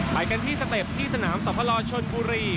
ไปกันที่สเต็ปที่สนามสพลชนบุรี